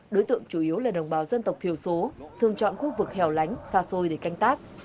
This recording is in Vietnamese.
đối tượng chủ yếu là đồng bào dân tộc thiểu số thường chọn khu vực hẻo lánh xa xôi để canh tác